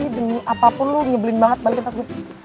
ini demi apapun lu nyebelin banget balik ke tas gue